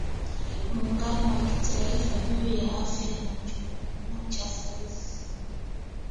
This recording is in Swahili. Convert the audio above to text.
Muungano wa Kimataifa juu ya Afya na Uchafuzi.